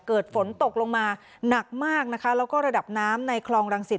เกิดฝนตกลงมาหนักมากนะคะแล้วก็ระดับน้ำในคลองรังสิต